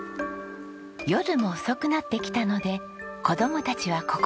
夜も遅くなってきたので子供たちはここまで。